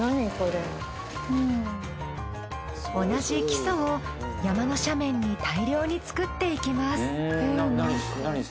同じ基礎を山の斜面に大量に作っていきます。